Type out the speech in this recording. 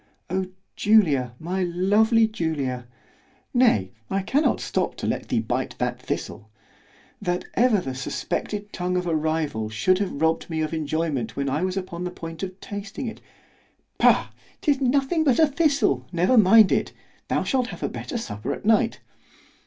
O Julia, my lovely Julia!—nay I cannot stop to let thee bite that thistle——that ever the suspected tongue of a rival should have robbed me of enjoyment when I was upon the point of tasting it.—— ——Pugh!—'tis nothing but a thistle—never mind it—thou shalt have a better supper at night.